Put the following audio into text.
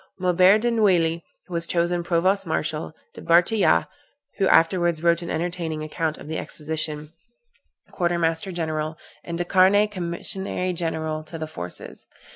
Maubert de Neuilly was chosen provost marshal, De Bartillat (who afterwards wrote an entertaining account of the expedition) quarter master general, and De Carne commissary general to the forces.